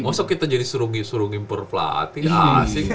masuk kita jadi surungi surungi perpelatih asing